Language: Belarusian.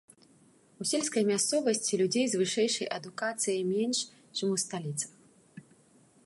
У сельскай мясцовасці людзей з вышэйшай адукацыяй менш, чым у сталіцах.